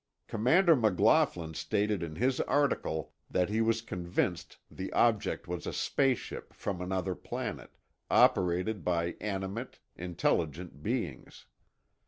Commander McLaughlin stated in his article that he was convinced the object was a space ship from another planet, operated by animate, intelligent beings.